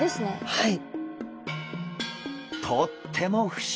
はい。